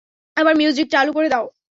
আবার মিউজিক চালু করে দাও।